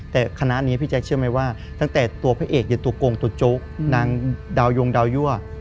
แต่คณะนี้พี่แจ๊คเชื่อไหมว่าตั้งแต่ตัวพระเอกเย็นตัวโกงตัวโจ๊กนางดาวยงดาวยั่ว